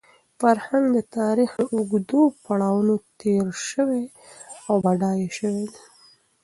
فرهنګ د تاریخ له اوږدو پړاوونو تېر شوی او بډایه شوی دی.